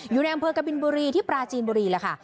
อยู่ในอำเภอกบินบุรีที่ปราจีนบุรีแล้วค่ะ